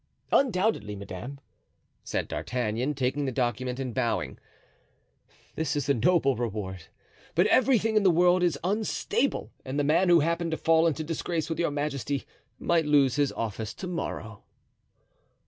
"Undoubtedly, madame," said D'Artagnan, taking the document and bowing, "this is a noble reward; but everything in the world is unstable, and the man who happened to fall into disgrace with your majesty might lose this office to morrow."